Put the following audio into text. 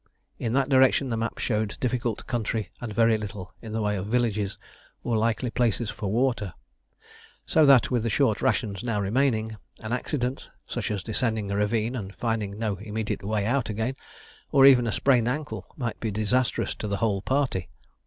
In that direction the map showed difficult country and very little in the way of villages or likely places for water, so that, with the short rations now remaining, an accident, such as descending a ravine and finding no immediate way out again, or even a sprained ankle, might be disastrous to the whole party.